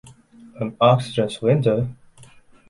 An oxygen cylinder?